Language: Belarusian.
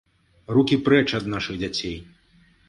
Рукі прэч ад нашых дзяцей!